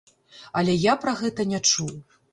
Але я пра гэта не чуў.